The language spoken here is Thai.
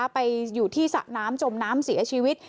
ไปอยู่ที่สระน้ำจมน้ำเสียชีวิต